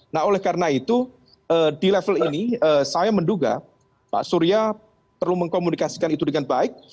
nah oleh karena itu di level ini saya menduga pak surya perlu mengkomunikasikan itu dengan baik